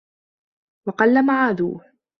وَقَلَّ مُعَادُوهُ